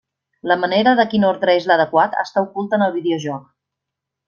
La manera de quin ordre és l'adequat està ocult en el videojoc.